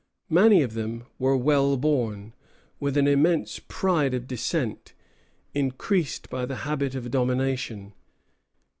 Many of them were well born, with an immense pride of descent, increased by the habit of domination.